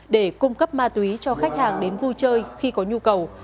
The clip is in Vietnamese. để cung cấp ma túy cho khách hàng đến vui chơi khi có nhu cầu